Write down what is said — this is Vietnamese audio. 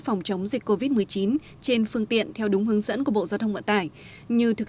phòng chống dịch covid một mươi chín trên phương tiện theo đúng hướng dẫn của bộ giao thông vận tải như thực